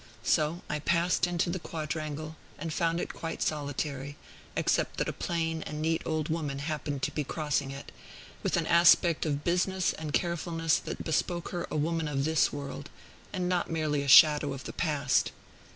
So I passed into the quadrangle, and found it quite solitary, except that a plain and neat old woman happened to be crossing it, with an aspect of business and carefulness that bespoke her a woman of this world, and not merely a shadow of the past.